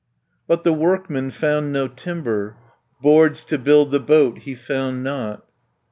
But the workman found no timber, Boards to build the boat he found not.